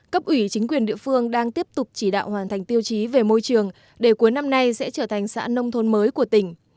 cấp ủy chính quyền địa phương đang tiếp tục chỉ đạo hoàn thành tiêu chí về môi trường để cuối năm nay sẽ trở thành xã nông thôn mới của tỉnh